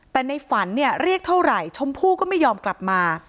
แต่ในฝันเนี่ยเรียกเท่าไหร่ชมพู่ก็ไม่ยอมกลับมา